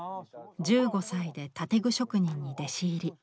１５歳で建具職人に弟子入り。